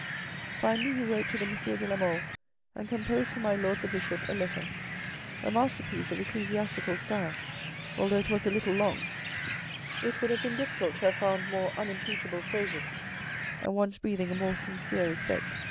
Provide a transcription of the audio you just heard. Finally he wrote to the M. de la Mole, and composed for my Lord the Bishop a letter, a masterpiece of ecclesiastical style, although it was a little long ; it would have been difficult to have found more unimpeachable phrases, and ones breathing a more sincere respect.